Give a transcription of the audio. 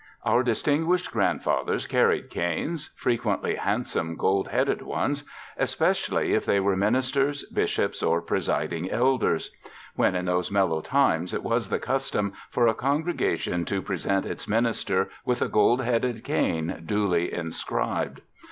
Our distinguished grandfathers carried canes, frequently handsome gold headed ones, especially if they were ministers. Bishops, or "Presiding Elders;" when, in those mellow times, it was the custom for a congregation to present its minister with a gold headed cane duly inscribed.